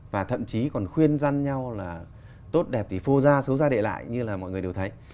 và thậm chí còn khuyên gian nhau là tốt đẹp thì phô gia số ra để lại như là mọi người đều thấy